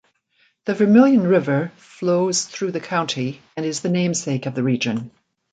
The Vermilion River flows through the County and is the namesake of the region.